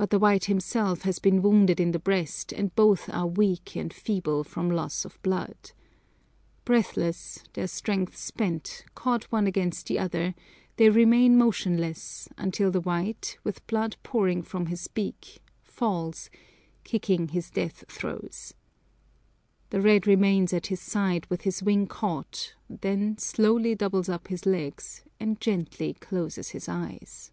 But the white himself has been wounded in the breast and both are weak and feeble from loss of blood. Breathless, their strength spent, caught one against the other, they remain motionless until the white, with blood pouring from his beak, falls, kicking his death throes. The red remains at his side with his wing caught, then slowly doubles up his legs and gently closes his eyes.